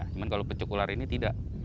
cuma kalau pecuk ular ini tidak